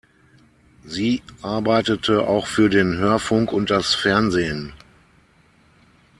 Sie arbeitete auch für den Hörfunk und das Fernsehen.